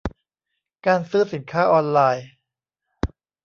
การซื้อสินค้าออนไลน์